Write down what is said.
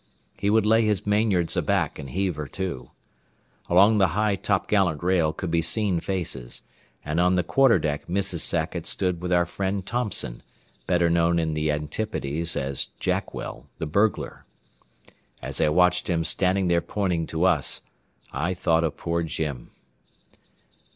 He would lay his mainyards aback and heave her to. Along the high topgallant rail could be seen faces, and on the quarter deck Mrs. Sackett stood with our friend Thompson, better known in the Antipodes as Jackwell, the burglar. As I watched him standing there pointing to us, I thought of poor Jim.